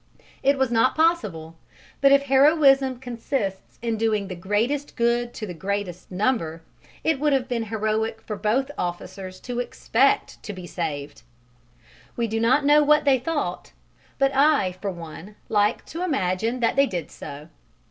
It was not possible; but if heroism consists in doing the greatest good to the greatest number, it would have been heroic for both officers to expect to be saved. We do not know what they thought, but I, for one, like to imagine that they did so.